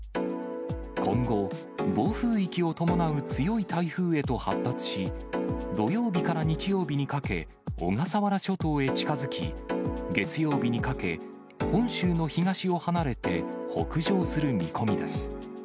今後、暴風域を伴う強い台風へと発達し、土曜日から日曜日にかけ、小笠原諸島へ近づき、月曜日にかけ、本州の東を離れて北上する見込みです。